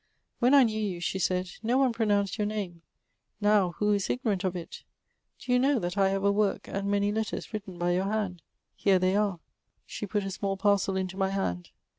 " Whea I knew you," she said, '^no one pronounced your name ; now who is ignorant of it ? Do ^ou know that I have a work and many letters written by your hand ? Here they are." She put a small parcel into my hand.